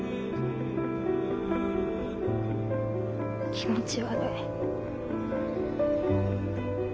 気持ち悪い。